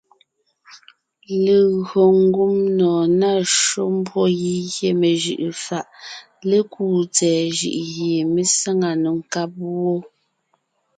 Legÿo ngumnɔɔn ná shÿó mbwó gígyé mejʉʼʉ fàʼ lékúu tsɛ̀ɛ jʉʼ gie mé sáŋa nò nkáb wó.